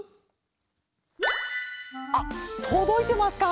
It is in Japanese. あっとどいてますか？